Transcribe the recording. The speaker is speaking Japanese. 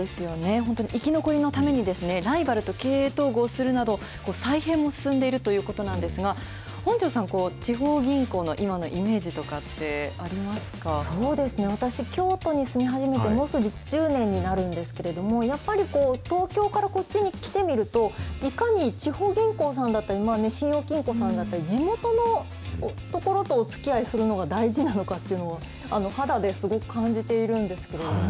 本当に生き残りのためにですね、ライバルと経営統合するなど、再編も進んでいるということなんですが、本上さん、地方銀行の今のそうですね、私、京都に住み始めて、もうすぐ１０年になるんですけれども、やっぱりこう、東京からこっちに来てみると、いかに地方銀行さんだったり、信用金庫さんだったり、地元のところとお付き合いするのが大事なのかっていうのが、肌ですごく感じているんですけれどもね。